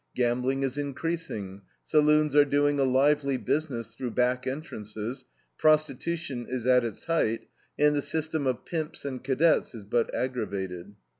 Gambling is increasing, saloons are doing a lively business through back entrances, prostitution is at its height, and the system of pimps and cadets is but aggravated.